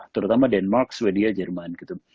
terutama denmark sweden jerman gitu